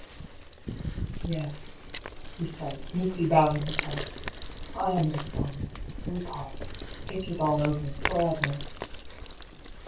" Yes," he said, meekly bowing his head, " I under stand. We part ; it is all over for ever."